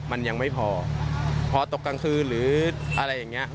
มันยังไม่พอพอตกกลางคืนหรืออะไรอย่างนี้